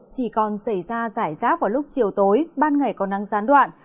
chỉ còn xảy ra giải rác vào lúc chiều tối ban ngày có nắng gián đoạn